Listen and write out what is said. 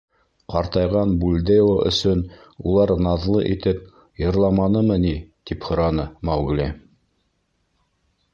Ҡартайған Бульдео өсөн улар наҙлы итеп «йырламанымы» ни? — тип һораны Маугли.